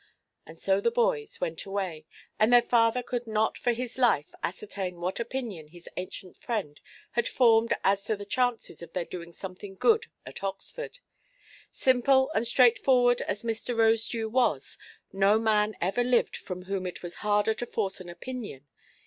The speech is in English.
And so the boys went away, and their father could not for his life ascertain what opinion his ancient friend had formed as to the chances of their doing something good at Oxford. Simple and straightforward as Mr. Rosedew was, no man ever lived from whom it was harder to force an opinion.